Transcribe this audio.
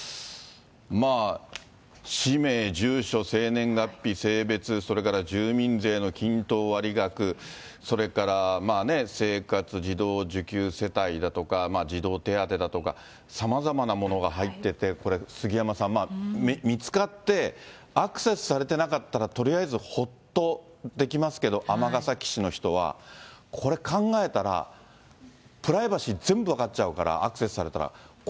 まあ、氏名、住所、生年月日、性別、それから住民税の均等割額、それから生活、児童受給世帯だとか、児童手当だとか、さまざまなものが入ってて、これ、杉山さん、見つかってアクセスされてなかったら、とりあえずほっとできますけど、尼崎市の人は、これ、考えたら、プライバシー全部分かっちゃうから、アクセスされたら。